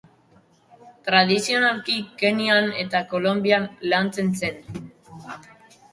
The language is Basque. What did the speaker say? Tradizionalki Kenyan eta Kolonbian lantzen zen.